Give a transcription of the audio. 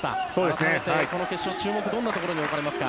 改めてこの決勝、注目はどんなところに置かれますか？